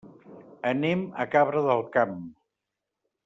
Anem a Cabra del Camp.